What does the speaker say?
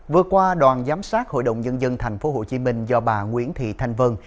vừa qua đoàn giám sát hội đồng nhân dân thành phố hồ chí minh do bà nguyễn thị thanh vân